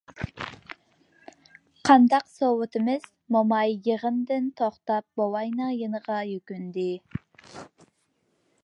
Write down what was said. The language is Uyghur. — قانداق سوۋۇتىمىز؟ — موماي يىغىدىن توختاپ بوۋاينىڭ يېنىغا يۈكۈندى.